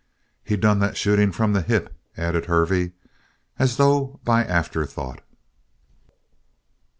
"He done that shooting from the hip," added Hervey, as though by afterthought.